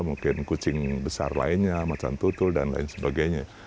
mungkin kucing besar lainnya macan tutul dan lain sebagainya